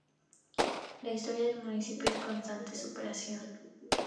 La historia del municipio es de constante superación.